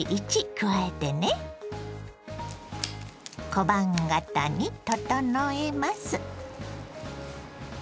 小判形に整えます。